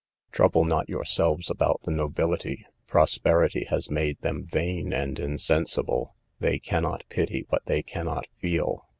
"Trouble not yourselves about the nobility: prosperity has made them vain and insensible: they cannot pity what they cannot feel.